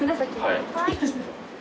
はい。